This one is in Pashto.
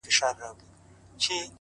د ښایستونو خدایه سر ټيټول تاته نه وه;